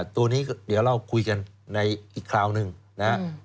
ตัวนี้เดี๋ยวเราคุยกันในอีกคราวหนึ่งนะครับ